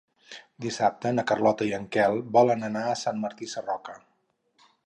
Dissabte na Carlota i en Quel volen anar a Sant Martí Sarroca.